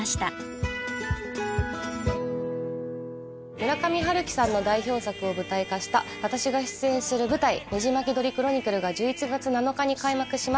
村上春樹さんの代表作を舞台化した私が出演する舞台「ねじまき鳥クロニクル」が１１月７日に開幕します